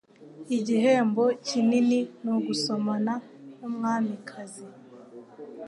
Igihembo kinini ni ugusomana numwamikazi.